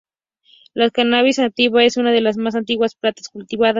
La "Cannabis sativa" es una de las más antiguas plantas cultivadas.